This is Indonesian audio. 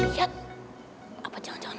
ini kenapa badan hangis uang